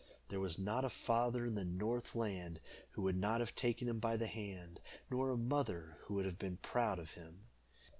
There was not a father in the north land who would not have taken him by the hand, nor a mother who would not have been proud of him.